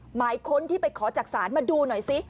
หมายค้นที่ไปขอจากศาลมาดูหน่อยซิ